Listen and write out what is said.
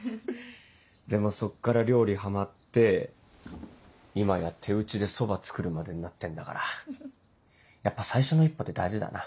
でもそっから料理ハマって今や手打ちでそば作るまでになってんだからやっぱ最初の一歩って大事だな。